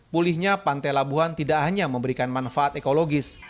pulihnya pantai labuhan tidak hanya memberikan manfaat ekologis